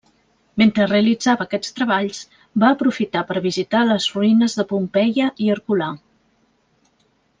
Mentre realitzava aquests treballs, va aprofitar per visitar les ruïnes de Pompeia i Herculà.